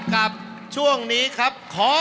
กับช่วงนี้ครับ